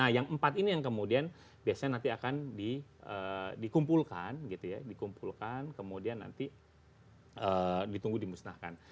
nah yang empat ini yang kemudian biasanya nanti akan dikumpulkan gitu ya dikumpulkan kemudian nanti ditunggu dimusnahkan